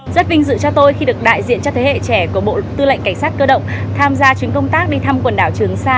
rất vinh dự cho tôi khi được đại diện cho thế hệ trẻ của bộ tư lệnh cảnh sát cơ động tham gia chuyến công tác đi thăm quần đảo trường sa